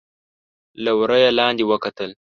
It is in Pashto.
له وره يې لاندې وکتل.